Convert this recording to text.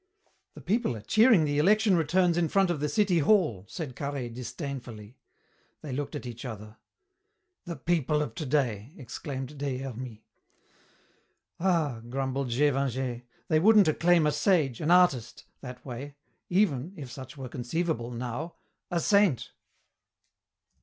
"The people are cheering the election returns in front of the city hall," said Carhaix disdainfully. They looked at each other. "The people of today!" exclaimed Des Hermies. "Ah," grumbled Gévingey, "they wouldn't acclaim a sage, an artist, that way, even if such were conceivable now a saint."